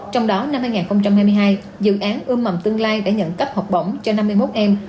trong đó năm hai nghìn hai mươi hai dự án ươm mầm tương lai đã nhận cấp học bổng cho năm mươi một em